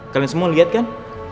kalian semua lihat kan